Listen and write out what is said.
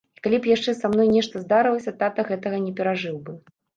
І калі б яшчэ са мной нешта здарылася, тата гэтага не перажыў бы.